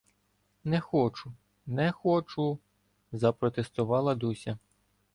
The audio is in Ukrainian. — Не хочу, не хочу! — запротестувала Дуся.